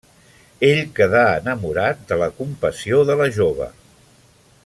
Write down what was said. Ell queda enamorat de la compassió de la jove.